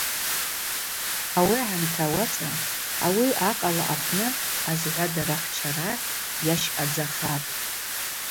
Ауи агӏамта ауацӏа ауи акъала апны азгӏвадарахчара йащъадзахатӏ.